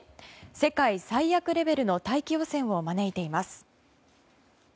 世界最悪レベルの大気汚染を招いています。